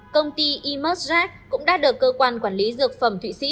công ty e merserach cũng đã được cơ quan quản lý dược phẩm thụy sĩ